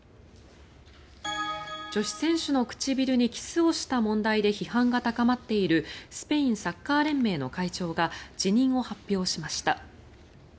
女子選手の唇にキスをした問題で批判が高まっているスペインサッカー連盟の会長が辞任を発表しました。